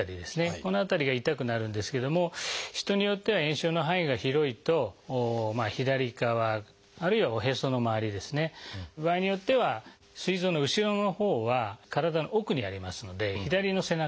この辺りが痛くなるんですけども人によっては炎症の範囲が広いと左側あるいはおへその周りですね場合によってはすい臓の後ろのほうは体の奥にありますので左の背中